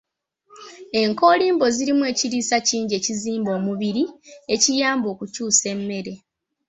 Enkoolimbo zirimu ekiriisa kingi ekizimba omubiri, ekiyamba okukyusa emmere